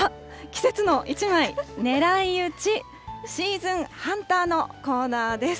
季節の一枚狙い撃ち、シーズンハンターのコーナーです。